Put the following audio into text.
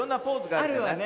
あるわね。